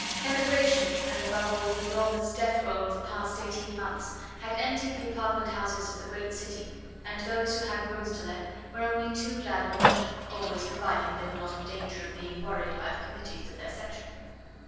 Emigration and, above all, the enormous death roll of the past eighteen months, had emptied the apartment houses of the great city, and those who had rooms to let were only too glad of a lodger, always providing they were not in danger of being worried by the committees of their section.